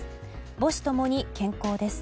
母子共に健康です。